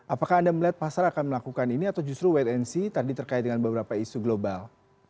apakah anda melihat pasar akan melakukan ini atau justru wait and see tadi terkait dengan beberapa isu global